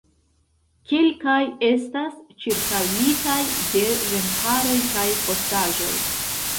Kelkaj estas ĉirkaŭitaj de remparoj kaj fosaĵoj.